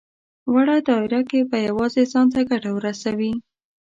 وړه دايره کې به يوازې ځان ته ګټه ورسوي.